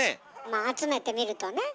まあ集めてみるとね。